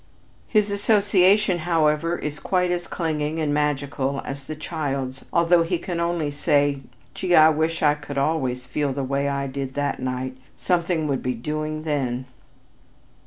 His association, however, is quite as clinging and magical as is the child's although he can only say, "Gee, I wish I could always feel the way I did that night. Something would be doing then."